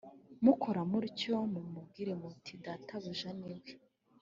mukora mutyo mumubwire muti Databuja ni we